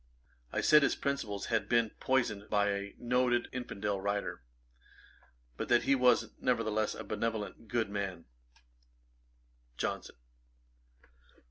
I said his principles had been poisoned by a noted infidel writer, but that he was, nevertheless, a benevolent good man. JOHNSON.